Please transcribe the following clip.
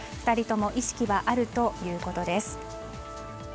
２人とも意識はあるということです。